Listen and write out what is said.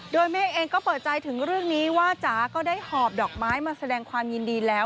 โดยแม่เองก็เปิดใจถึงเรื่องนี้ว่าจ๋าก็ได้หอบดอกไม้มาแสดงความยินดีแล้ว